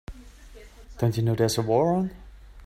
Don't you know there's a war on?